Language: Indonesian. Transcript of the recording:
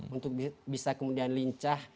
untuk bisa kemudian lincah